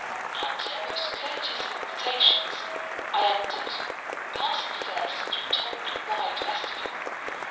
At her most courteous of invitations, I entered—passing first into a tolerably wide vestibule.